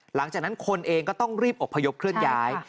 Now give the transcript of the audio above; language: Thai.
หลังจากนั้นคนเองก็ต้องรีบอบพยพเคลื่อนย้าย